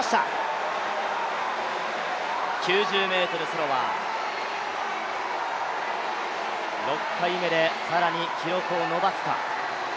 ９０ｍスローワー、６回目で更に記録を伸ばすか。